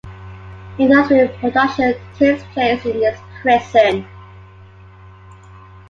Industrial production takes place in this prison.